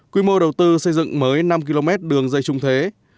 quy mô đầu tư xây dựng mới năm km đường dây trung thế